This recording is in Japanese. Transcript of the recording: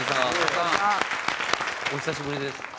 お久しぶりです。